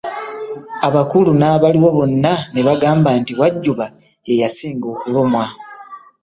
Abakulu n’abaliwo bonna ne bagamba nti Wajjuba ye yasinga okulumwa.